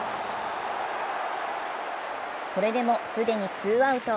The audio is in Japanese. それでも既にツーアウト。